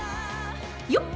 よっ！